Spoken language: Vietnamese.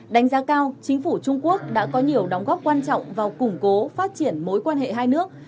đánh giá cao chính phủ trung quốc đã có nhiều đóng góp quan trọng vào củng cố phát triển mối quan hệ hai nước